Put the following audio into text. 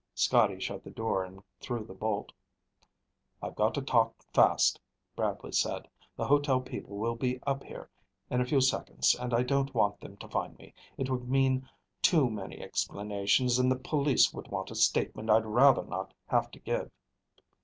Scotty shut the door and threw the bolt. "I've got to talk fast," Bradley said. "The hotel people will be up here in a few seconds and I don't want them to find me. It would mean too many explanations, and the police would want a statement I'd rather not have to give."